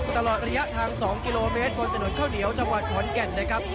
ตลอดระยะทาง๒กิโลเมตรบนถนนข้าวเหนียวจังหวัดขอนแก่นนะครับ